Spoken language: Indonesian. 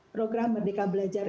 program merdeka belajar